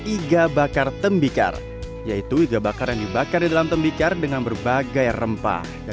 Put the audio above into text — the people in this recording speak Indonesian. iga bakar tembikar yaitu iga bakar yang dibakar di dalam tembikar dengan berbagai rempah dan